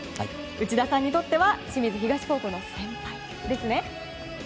内田さんにとっては清水東高校の先輩ですね。